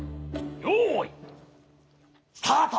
よいスタート！